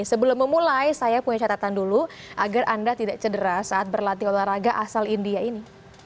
sebelum memulai saya punya catatan dulu agar anda tidak cedera saat berlatih olahraga asal india ini